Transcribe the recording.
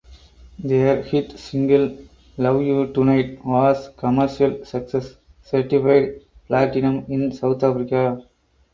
Their hit single "Love You Tonight" was commercial success certified platinum in South Africa.